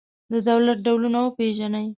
د دولت ډولونه وپېژنئ.